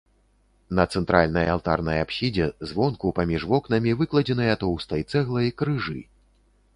На цэнтральнай алтарнай апсідзе звонку паміж вокнамі выкладзеныя тоўстай цэглай крыжы.